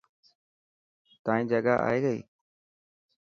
تائن جگا آئي گئي.